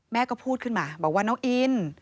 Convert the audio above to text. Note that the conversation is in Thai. แม่ก็พูดขึ้นมาบอกว่าน้องอิน